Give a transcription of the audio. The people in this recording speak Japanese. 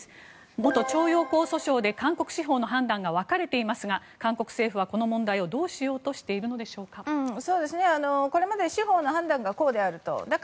元徴用工訴訟で韓国司法の判断が分かれていますが韓国政府はこの問題をどうしようとしているのでしょうか。